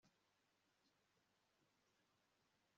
Isomo rya mbere rikomeye umusore agomba kwiga nuko ntacyo azi